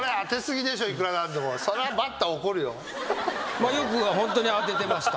まあよくホントに当ててました。